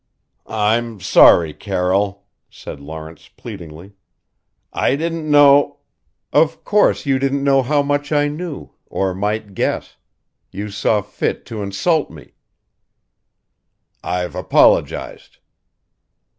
"I'm sorry, Carroll," said Lawrence pleadingly. "I didn't know " "Of course you didn't know how much I knew or might guess. You saw fit to insult me " "I've apologized."